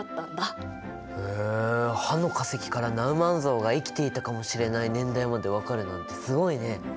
へえ歯の化石からナウマン象が生きていたかもしれない年代まで分かるなんてすごいね。